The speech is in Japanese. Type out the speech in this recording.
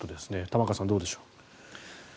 玉川さん、どうでしょう。